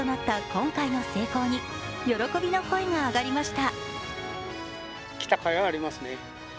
今回の成功に喜びの声が上がりました。